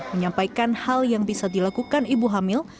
menyampaikan hal yang bisa dilakukan ibu hamil